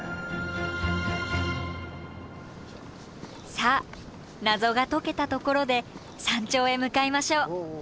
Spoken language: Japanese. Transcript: さあ謎が解けたところで山頂へ向かいましょう。